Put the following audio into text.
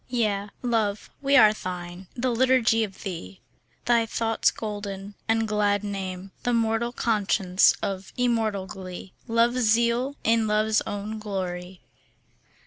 Yea, Love, we are thine, the liturgy of thee. Thy thought's golden and glad name, The mortal conscience of immortal glee, Love's zeal in Love's own glory.